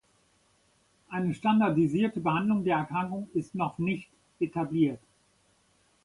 Eine standardisierte Behandlung der Erkrankung ist noch nicht etabliert.